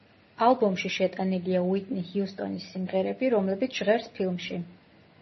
ალბომში შეტანილია უიტნი ჰიუსტონის სიმღერები, რომლებიც ჟღერს ფილმში.